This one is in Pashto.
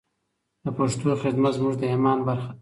د پښتو خدمت زموږ د ایمان برخه ده.